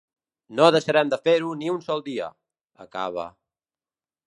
No deixarem de fer-ho ni un sol dia!, acaba.